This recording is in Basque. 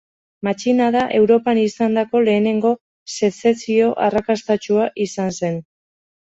Matxinada Europan izandako lehenengo sezesio arrakastatsua izan zen.